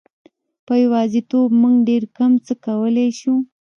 په یوازیتوب موږ ډېر کم څه کولای شو.